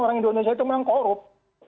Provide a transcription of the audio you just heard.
orang indonesia itu memang korup